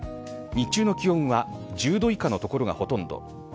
日中の気温は１０度以下の所がほとんど。